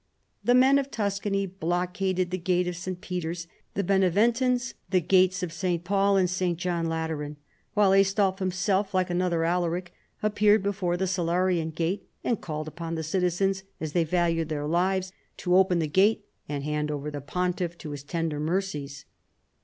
The men of Tuscany blockaded the gate of St. Peter's ; the Beneventans, the gates of St. Paul and St. John Lateran ; while Aistulf himself, like another Alaric, ajipeared before the Salarian gate and called upon the citizens as they valued their lives, to open the gate and hand over the pontiff to his tender mercies.